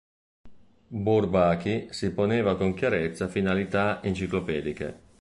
Bourbaki si poneva con chiarezza finalità "enciclopediche".